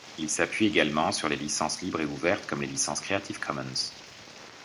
Il s'appuie également sur les licences libres ou ouvertes comme les licences Creative Commons.